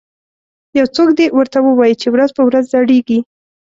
یو څوک دې ورته ووایي چې ورځ په ورځ زړیږي